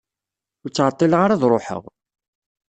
Ur ttɛeṭṭileɣ ara ad ṛuḥeɣ.